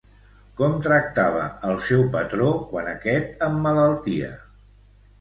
Com tractava al seu patró quan aquest emmalaltia?